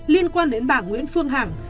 liên quan đến bà nguyễn phương hằng